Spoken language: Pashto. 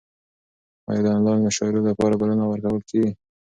ایا د انلاین مشاعرو لپاره بلنه ورکول کیږي؟